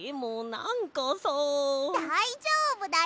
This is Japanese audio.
だいじょうぶだよ！